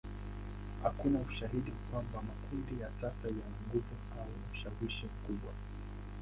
Hakuna ushahidi kwamba makundi ya sasa yana nguvu au ushawishi mkubwa.